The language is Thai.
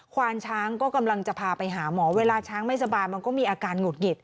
ควานช้างก็กำลังจะพาไปหาหมอเวลาช้างไม่สบายมันก็มีอาการหงุดหงิด